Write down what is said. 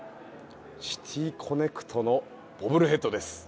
シティーコネクトのボブルヘッドです。